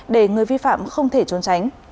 để người vi phạm không thể trốn tránh